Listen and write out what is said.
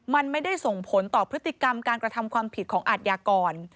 มันไม่ได้ส่งผลต่อพฤติกรรมการกระทำความผิดของอาทยากร